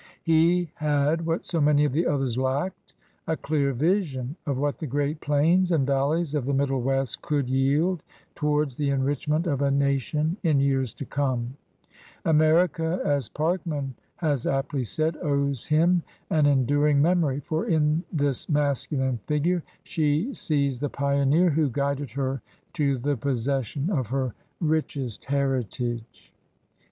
He had, what so many of the others lacked, a dear vision of what the great plains and valleys of the Middle West could yield towards the enrich ment of a nation in years to come. America, '' as Parkman has aptly said, ''owes him an enduring memory; for in this masculine figure she sees the pioneer who guided her to the possession of her richest heritage.